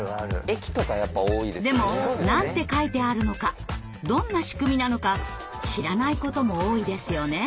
でも何て書いてあるのかどんな仕組みなのか知らないことも多いですよね。